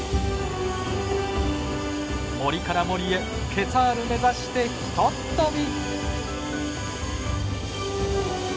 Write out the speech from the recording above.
森から森へケツァール目指して一っ飛び。